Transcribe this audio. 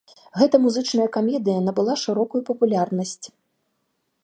Гэта музычная камедыя набыла шырокую папулярнасць.